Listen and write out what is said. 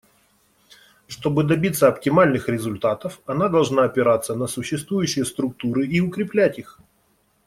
Чтобы добиться оптимальных результатов, она должна опираться на существующие структуры и укреплять их.